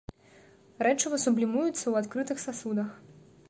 Рэчыва сублімуецца ў адкрытых сасудах.